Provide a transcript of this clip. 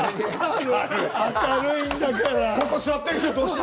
明るいんだから！